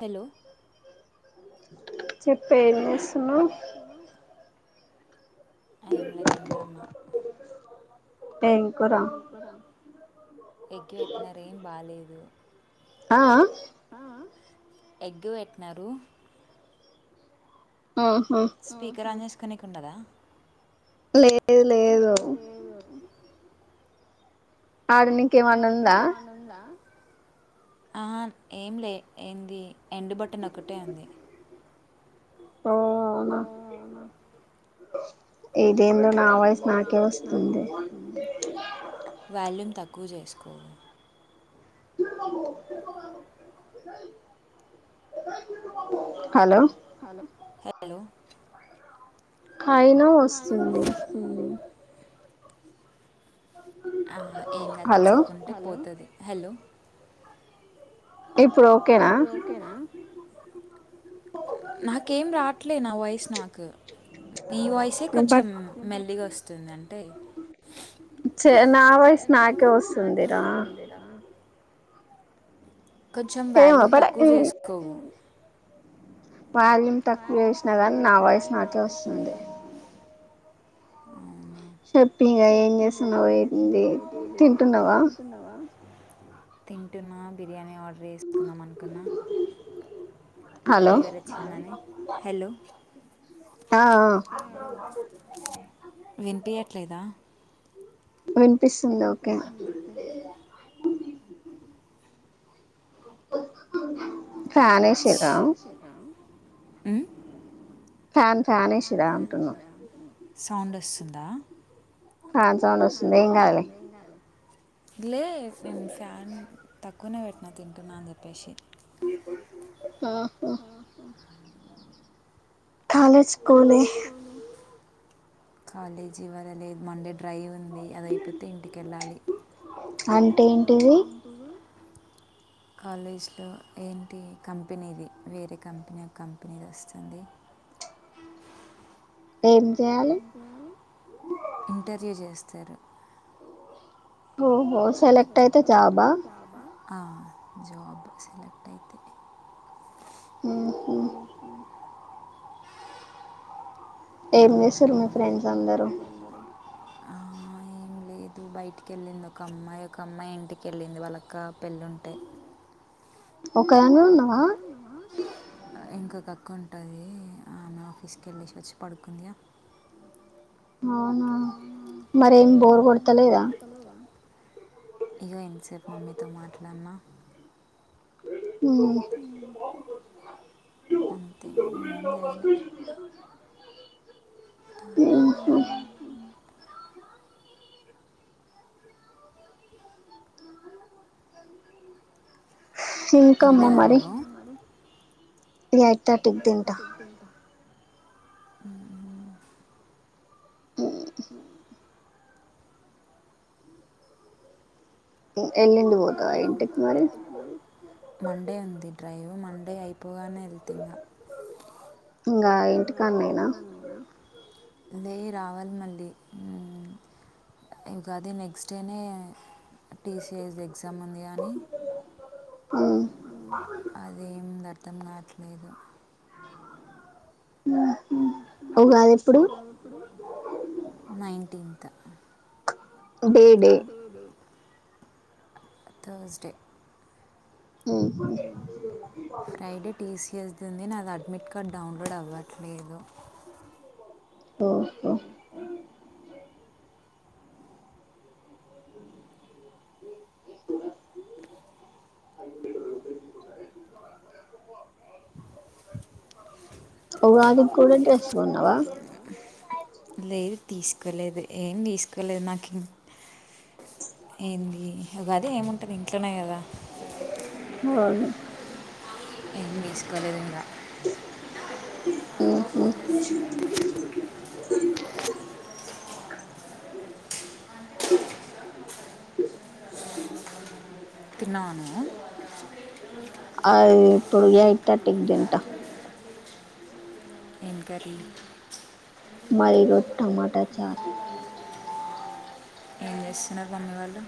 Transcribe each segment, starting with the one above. Hello చెప్పే ఎంచేస్తున్నవు. ఎం లే తింటన్నా. ఏంకురా? ఎగ్ పెట్టినారు ఏం బాగాలేేదు. ఆ ఆ ఎగ్ పెట్టినరు. స్పీకర ఆన్ చేసు కొనికి ఉండదా. లే లేదు లేదు. ఆడనికేమన్నా ఉందా. ఆహా ఏం లే ఏంది ఎండు బటన్ ఒకటే ఉంది. ఓ అవునా. వాల్యూమ్ త క్కువ చేసుకోవే హలో హలో అయినా వస్తుంది. ఆహా ఏం కాదు కొద్దిసేపు ఉంటే పోతది. హలో ఇప్పుడు ఓకేనా. నాకేం రాట్ ట్లే నా వాయిస్ నాకు. నీ వాయిసే కొంచెం మెల్లీగా వస్తు స్తుందంటే. నా వాయిసు నాకే వస్తుందిరా. కొంచెం వాల్యూమ్ తక్కువ చేసుకోవు. వాల్యూమ్ తక్కువ చేసినా గానీ నా వాయిస్ నాకే వస్తుంది షప్పగా ఏం చేస్తున్నావ ఏంది తింటున్నావా తింటన్నా బిర్యాణి చ్చ హలో వినిపయట్లేదా వినిపిస్తుంది ఓకే ప్రాణేేశర రామ్ అ ఫ్యాన్ ఫ్యాన్ వసిరా అంటున్నా సౌండ్ వస్తుందా ఆ చౌన్ వస్తుంది ఏం కావాలి లే నేను ఫ్యాన్ తక్కువనే పెట్టినా తింటున్నాను అని చెప్పేసి ఆహా కాలేజ్ కోలే కాలేజీవ్వర లేదు మండ ఫ్రై ఉంది అదయిపోతే ఇంటికి వెళ్ళాలి అంటే ఏంటివి కాలేజీలో ఏంటి కంపెనీది వేరే కంపెనీ యొక్క కంపెనీది వస్తుంది ఇంటర్వ్ చేస్తా సరే ఓహ్ హో సెలేక్ట్ అయితే జాబా ఆ జాబ్ సెలెక్ట్ అయితేనే ఏం చేశారు మీ ఫ్రెండ్స్ అందరూ ఏం లేదు బయటికి వెళ్ళింది ఒక అమ్మాయి ఒక అమ్మాయి ఇంటికెళ్ళింది వాళ్ళక్క పెళ్ళుంటే ఒక ఎన్నున్నావా ఇంకొక కొంటది ఆమె ఆఫీస్కి వెళ్ళేసి వచ్చి పడుకుంది అవునా మరి బోర్ కొడతలేదా ఇగో ఇంతసేపు మమ్మీతో మాట్లాడినా అంతే ఏం చేయాలి తననా ఇంకా అమ్మ మరి ఎయిట్ థర్టీ కి తింటా మండే ఉంది డ్రైవ్ మండే అయి పోగానే వెళ్తా ఇంగా ఇంకా ఇంటికాన్నేనా లే రావాలి మళ్ళీ హ్మ్ ఇంక అది నెక్స్ట్ డేనే టీసీసది సంబంధి కాని అదేం దరు దమ్ మాట్లేదు నైన్ ఇంత డేడే థర్స్ డే హ్మ్ ఉంది నాది అడ్మిట్ కార్డ్ డౌన్లోడ్ అవ్వట్లేదు తోం తోం ఇప్పుడ లేదు తీసు కొలేదు ఏం తీసుకోలేదు నాకు ఇం ఏంది ఉగాది ఏముంటది ఇంట్లోనే కదా అవును ఏం తీసుకోలేదు ఇంకా తిన్నావా నువ్వు ఆ ఇప్పుడు ఎయిట్ థర్టీ కి తింటా ఏం కర్రీ మాది ఈరోజు టమాటా చారు ఏం చేస్తున్నారు మమ్మీ వాళ్ళు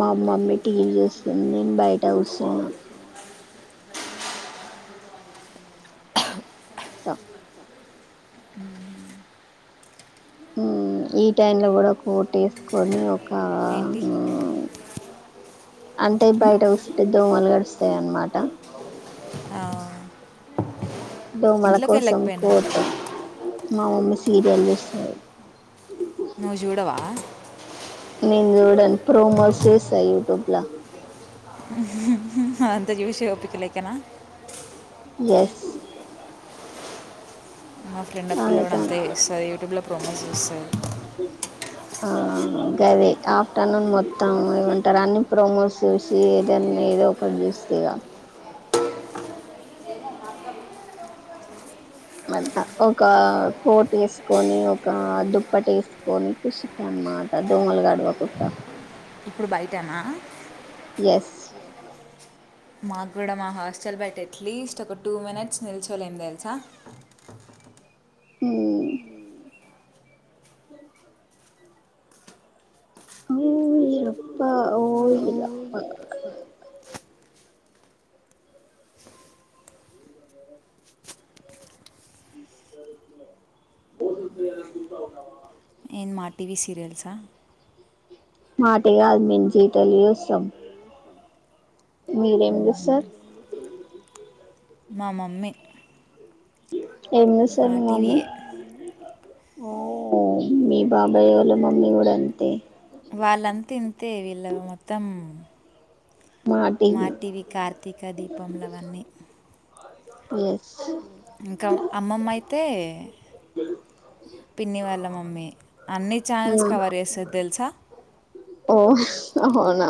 మా మమ్మీ టీవీ చూస్తుంది నేను బయట కుసున్న ట ఈ టైమ్ లో కూడా కోట్టసుకొని ఆ అంటే బయట కుసుంటే దోమలు కరుస్తాయి అనమాట దోమల కోసం కోటు మా మమ్మీ సీరియల్ జూస్తది నువ్వు జూడవా నేను జూడను ప్రోమోస్ చూస్తా యూట్యూబ్ల అంత చూసే ఓపిక లేకనా యస్ మా ఫ్రెండ్ ఒక పిల్ల కూడా అంతే చేస్తది యూట్యూబ్లో ప్రోమోస్ చూస్ ఆ గదే ఆఫ్టర్నూన్ మొత్తం ఏమంటారు అన్ని ప్రోమోస్ చూసి ఏదన్నా ఏదో ఒకటి చూస్తిగా మంట ఒక కోట్ ఏసుకొని ఒక దుప్పటి ఏసుకొని కుసుట్ట అనమాట దోమలు కడవకుట్ట ఇప్పుడు బయటనా యస్ మాకు గూడా మా హాస్టల్ బయట ఎట్లీస్ట్ ఒక టూ మినిట్స్ నిల్చోలేం తెలుసా హ్మ్ ఓయిరప్ప ఓయిరప్ప ఏన్ మా టీవీ సీరియల్స్ ఆ మాటీ కాదు మేము జీ తెలుగు చూస్తాం మీరేం జూస్తార్ మా మమ్మీ ఏం చూస్తది మీ మమ్మీ ఓ మీ బాబాయ వాల్ల మమ్మీ కూడా అంతే వాళ్ళంత తే వీళ్ళ మొత్తం మాటివి కార్తీక దీపంలవన్నీ యస్ ఇంకా అమ్మమ్మ అయితే పిన్ని వాళ్ళ మమ్మీ అన్ని ఛానల్స్ కవర్ చేస్తాద్ దెలుసా అహోనా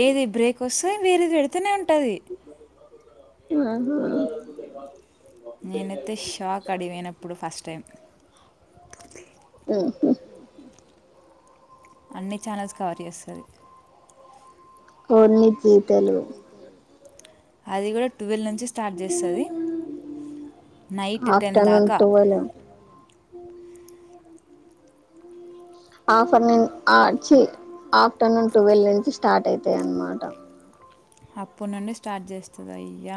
ఏది బ్రేక్ వస్తే వేరేది పెడితేనే ఉ టది ఆహా నేనైతే షాక్ ఆడిగిపోయినప్పుడు ఫస్ట్ టైం హ్మ్ హు అన్ని ఛానల్స్ కవర్ జేస్తది కోన్ని జీ తెలుగు అది కూడా టువెల్ ను స్టార్ట్ జేస్తది నైట్ టెన్ దాకా ఉ ఆఫర్నూన్ ఛీ ఆఫ్టర్నూన్ ట్వెల్వ్ నుంచి స్టార్ట్ అయితాయి అనమాట అప్పటి నుండి స్టార్ట్ చేస్తుంది అయ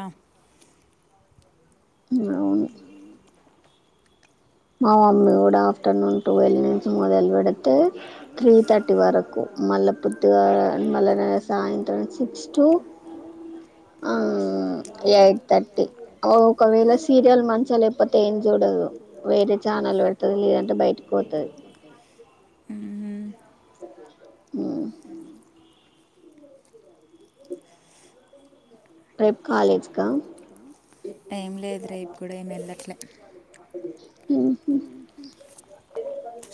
అవును మా మమ్మీ కూడా ఆఫ్టర్నూన్ టువెల్ నుంచి మొదలు పెడితే త్రీ థర్టీ వరకు మళ్ళా పుద్తిగా మళ్ళ సాయంత్రం సిక్స్ టు ఆ ఎయిట్ థర్టీ ఒకవేళ సీరియల్ మంచించ లేకపోతే ఏం చూడదు వేరే ఛానల్ పెడతుది లేదంటే బయటకి పోతుది ఆ రేపు కాలేజ్గా ఏం లేదు రేపు కూడా ఏమి వెళ్ళట్లేదు హ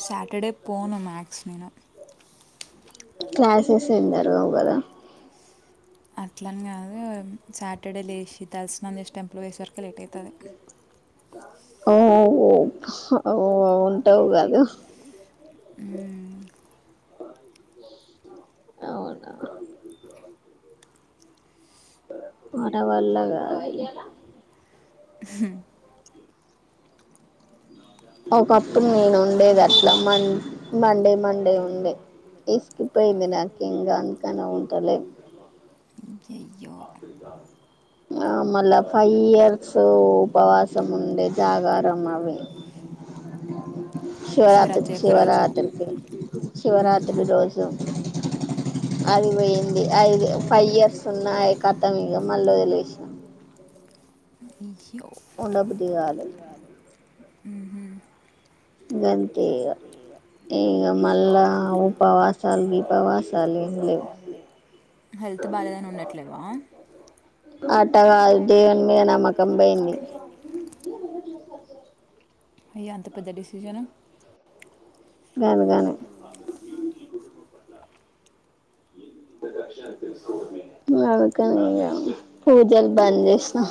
సాటర్డే పోనుం మక్స్ నను క్లాసెస్ ఎందరు అగలా అట్లని కాదు సాటర్డే లేచి తెలిసినని చేసి టెంపుల్ వేసే వరకు లేట్ అవుతుంది ఓహ ఓ ఉంటావు కాదు అవునా బడవల్లగా ఒకప్పుడు నేను ఉండేది అట్లా మ మండే మండే ఉండే ఇసుకిపోయింది నాకు ఇంకా అందుకని ఉంటలే ఆ మళ ఫైవ్ ఇయర్స్ ఉపవాస ముండే జాగారమావ శివరాత్రికి శివరాత్రికి శివరాత్రి రోజు అది పోయింది అఐ ఫైవ్ ఇయర్స్ ఉన్నా కతం ఇగా మళ్ళీ వదిలేస్నా ఉండబుద్ది కావాలి గంతే ఇగా ఈగ మళ్ళా ఊపవాసాలు గీపవాసాలు ఏం లేవ్ హెల్త్ బాగాలేదని ఉండట్లేవా ఆటా గాద్ దేవుని మీద నమ్మకం పోయింది అయ్య అంత పెద్ద డిసిసను నేన్ గానీ ఇగా అంద్కని పూజలు బంద్ చేస్నా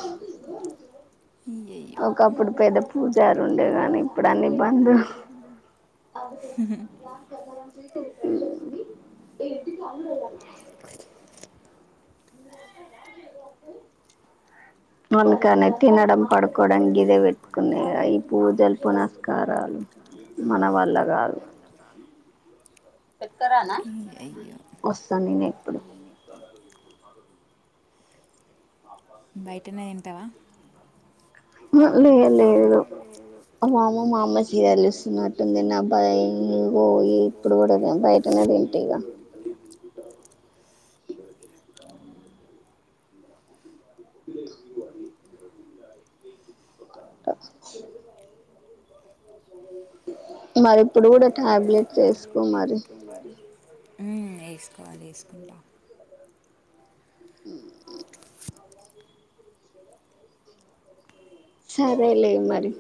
ఒకప్పుడు పెద్ద పూజార్ ఉండే దాని ఇప్పుడు అన్ని బంద్ అందుకనే తినడం పడుకోవడానికి గివే పెట్టుకున్నా ఇగా ఈ పూజలు పునస్కారాలు మన వల్ల కాదు, వస్తాను నేను ఎప్పుడు బయటనే వింటావా హ్మ్ లేదు లేదు మామ మామ్మ సీరియల్ చూస్తున్నట్టుంది అయ్యిగో ఇప్పుడు కూడా బయటనే తింటా ఇగా తినాలి ఇప్పుడు కూడా టాబ్లెట్ వేసుకో మరి హ్మ్ వేసుకోవాలి వేసుకుంటా సరే లే మరి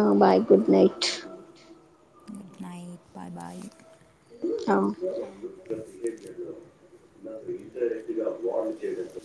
ఆ బాయ్ గుడ్ నైట్ హా నాకు ఇద్ద రెట్గా వా చేట్